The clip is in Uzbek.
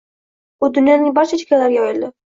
va dunyoning barcha chekkalariga yoyildi.